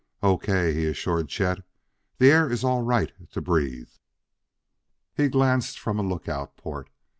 "O.K.!" he assured Chet; "that air is all right to breathe." He glanced from a lookout port.